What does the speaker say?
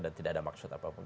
dan tidak ada maksud apapun